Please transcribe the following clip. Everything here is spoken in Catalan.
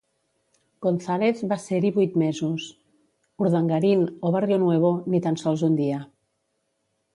González va ser-hi vuit mesos, Urdangarin o Barrionuevo, ni tan sols un dia.